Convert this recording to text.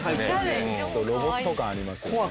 ロボット感ありますよね。